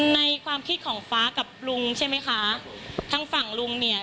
ในความคิดของฟ้ากับลุงใช่ไหมคะทางฝั่งลุงเนี่ย